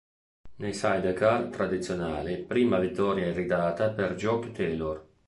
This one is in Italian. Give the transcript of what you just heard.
Nei sidecar "tradizionali" prima vittoria iridata per Jock Taylor.